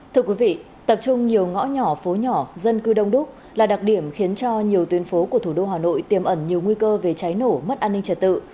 thưa quý vị tập trung nhiều ngõ nhỏ phố nhỏ dân cư đông đúc là đặc điểm khiến cho nhiều tuyến phố của thủ đô hà nội tiêm ẩn nhiều nguy cơ về cháy nổ mất an ninh trật tự